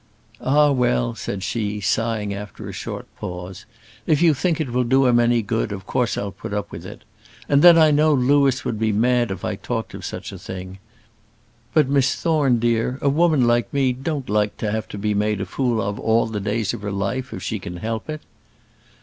"Ah, well," said she, sighing after a short pause; "if you think it will do him any good, of course I'll put up with it. And then I know Louis would be mad if I talked of such a thing. But, Miss Thorne, dear, a woman like me don't like to have to be made a fool of all the days of her life if she can help it."